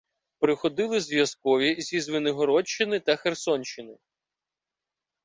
Приходили зв'язкові зі Звенигородщини та Херсонщини.